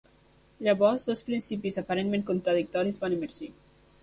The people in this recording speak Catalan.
Llavors, dos principis aparentment contradictoris van emergir.